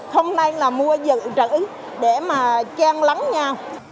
hôm nay là mua dự trữ để mà chan lắng nha